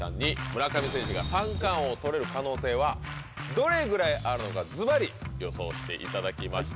村上選手が三冠王取れる可能性はどれぐらいあるのかズバリ予想していただきました。